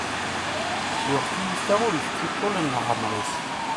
Yuɣ tiyita ur itettu ṭṭul n leɛmer-is.